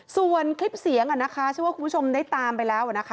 ส่วนคลิปเสียงที่ว่าคุณผู้ชมได้ตามไปแล้วนะคะ